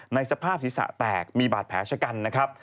สภาพศีรษะแตกมีบาดแผลชะกันนะครับ